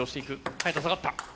早田下がった。